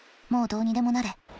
もうどうにでもなれ。